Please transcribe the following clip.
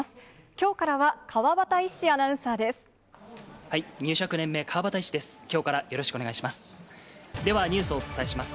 きょうからは川畑一志アナウンサーです。